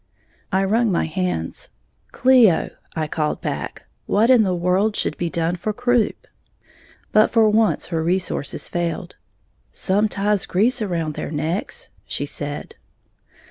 I wrung my hands. "Cleo," I called back, "what in the world should be done for croup?" But for once her resources failed. "Some ties grease around their necks," she said.